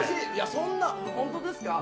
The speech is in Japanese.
そんなホントですか？